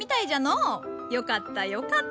よかったよかった。